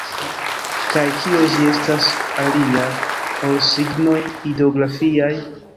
Kaj kio ĝi estas alia, ol signoj ideografiaj?